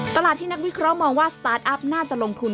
ตลาดที่นักวิเคราะห์มองว่าสตาร์ทอัพน่าจะลงทุน